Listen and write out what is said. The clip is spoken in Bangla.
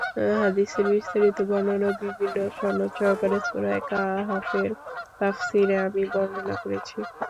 হাদীসের বিস্তারিত বর্ণনা বিভিন্ন সনদ সহকারে সূরায়ে কাহাফের তাফসীরে আমি বর্ণনা করেছি।